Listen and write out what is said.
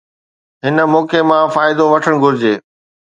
هن موقعي مان فائدو وٺڻ گهرجي.